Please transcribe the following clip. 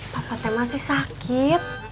papa te masih sakit